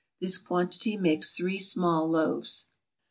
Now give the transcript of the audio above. This quantity makes three small loaves.